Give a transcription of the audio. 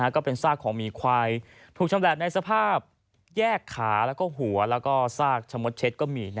ก็เป็นซากของหมีควายถูกชำแหละในสภาพแยกขาแล้วก็หัวแล้วก็ซากชะมดเช็ดก็มี